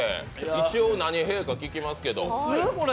一応、何へぇか聞きますけど。